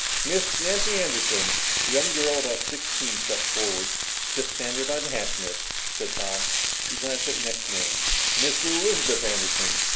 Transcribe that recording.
"Miss Nancy Anderson?" A young girl about sixteen stepped forward. "Just stand there by the hatch, Miss," said Tom. He glanced at the next name. "Miss Elizabeth Anderson?"